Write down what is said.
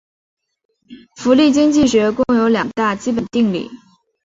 福利经济学共有两大基本定理。